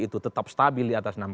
itu tetap stabil di atas enam puluh